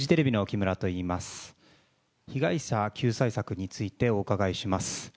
被害者救済策についてお伺いします。